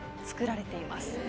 作られています。